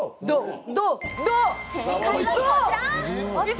どう？